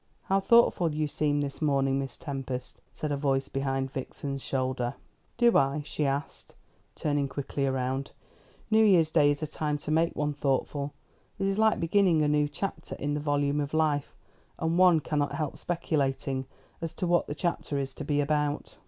"How thoughtful you seem this morning, Miss Tempest," said a voice behind Vixen's shoulder. "Do I?" she asked, turning quickly round. "New Year's Day is a time to make one thoughtful. It is like beginning a new chapter in the volume of life, and one cannot help speculating as to what the chapter is to be about."